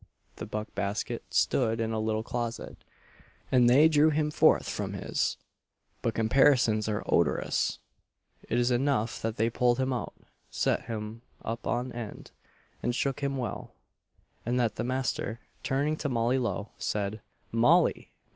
The buck basket stood in a little closet, and they drew him forth from his but "comparisons are odorous," it is enough, that they pulled him out, set him up on end, and shook him well; and that the master, turning to Molly Lowe, said "Molly!